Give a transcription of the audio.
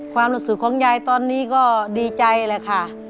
ความรู้สึกของยายตอนนี้ก็ดีใจแหละค่ะ